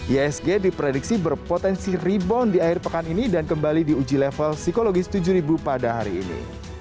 ihsg diprediksi berpotensi rebound di akhir pekan ini dan kembali diuji level psikologis tujuh pada hari ini